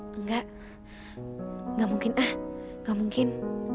enggak enggak mungkin ah gak mungkin